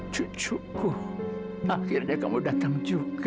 cucuku akhirnya kamu datang juga